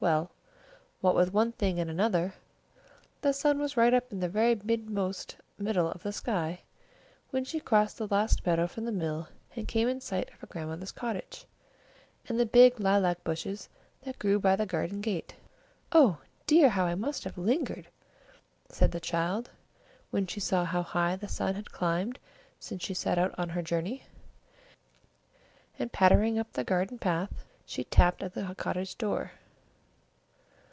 Well, what with one thing and another, the sun was right up in the very mid most middle of the sky when she crossed the last meadow from the mill and came in sight of her grandmother's cottage, and the big lilac bushes that grew by the garden gate. "Oh! dear, how I must have lingered!" said the child, when she saw how high the sun had climbed since she set out on her journey; and, pattering up the garden path, she tapped at the cottage door.